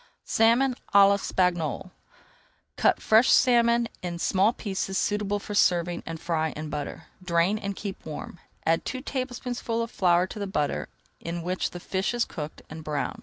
SALMON À L'ESPAGNOLE Cut fresh salmon in small pieces suitable for serving, and fry in butter. Drain and keep warm. Add two tablespoonfuls of flour to the butter, in which the fish is cooked, and brown.